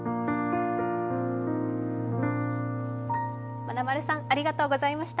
まなまるさん、ありがとうございました。